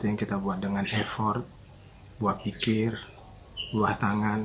mungkin kita buat dengan effort buat pikir buah tangan